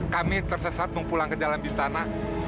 kami tersesat mau pulang ke jalan bintana